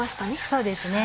そうですね。